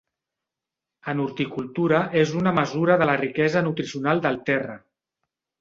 En horticultura, és una mesura de la riquesa nutricional del terra.